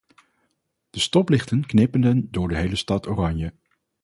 De stoplichten knipperden door de hele stad oranje.